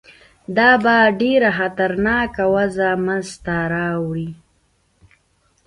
دا به ډېره خطرناکه وضع منځته راوړي.